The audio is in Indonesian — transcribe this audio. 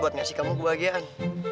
buat ngasih kamu kebahagiaan